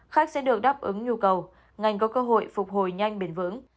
khách sẽ được đáp ứng nhu cầu ngành có cơ hội phục hồi nhanh bền vững